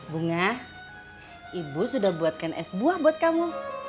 bunga ibu sudah buatkan es buah buat kamu